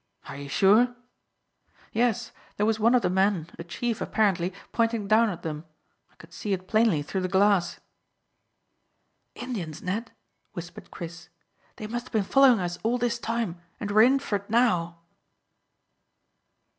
"Are you sure?" "Yes; there was one of the men, a chief apparently, pointing down at them. I could see it plainly through the glass." "Indians, Ned," whispered Chris. "They must have been following us all this time, and we're in for it now."